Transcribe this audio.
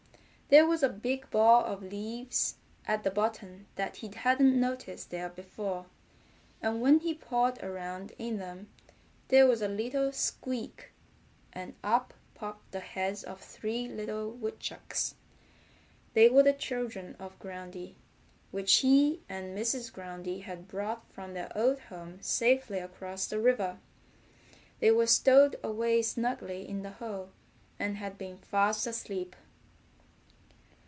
There was a big ball of leaves at the bottom that he hadn't noticed there before, and when he pawed around in them there was a little squeak, and up popped the heads of three little woodchucks. They were the children of Groundy, which he and Mrs. Groundy had brought from their old home safely across the river. They were stowed away snugly in the hole, and had been fast asleep.